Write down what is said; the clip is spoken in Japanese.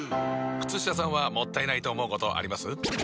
靴下さんはもったいないと思うことあります？